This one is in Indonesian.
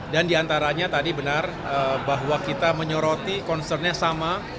dan diantaranya tadi benar bahwa kita menyoroti concern nya sama